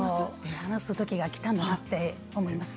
話すときがきたんだなと思います。